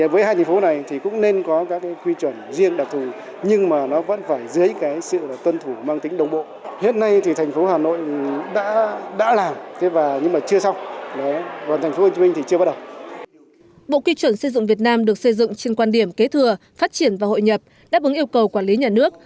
bộ quy chuẩn xây dựng việt nam được xây dựng trên quan điểm kế thừa phát triển và hội nhập đáp ứng yêu cầu quản lý nhà nước